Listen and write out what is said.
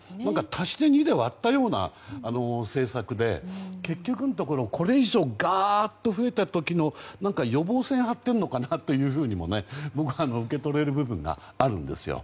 足して２で割ったような政策で結局のところこれ以上増えたときの予防線を張っているのかなとも僕には受け取れる部分があるんですよ。